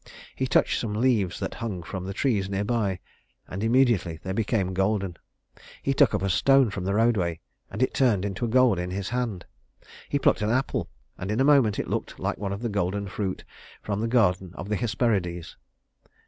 He touched some leaves that hung from the trees near by, and immediately they became golden. He took up a stone from the roadway, and it turned into gold in his hand. He plucked an apple, and in a moment it looked like one of the golden fruit from the garden of the Hesperides.